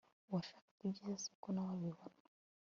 uwashakaga ibyiza siko nawe abibona